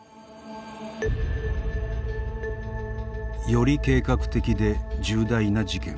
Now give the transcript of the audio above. より計画的で重大な事件。